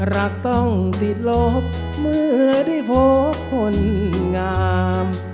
รักต้องติดลบเมื่อได้พบคนงาม